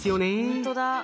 ほんとだ。